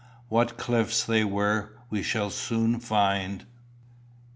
What cliffs they were we shall soon find.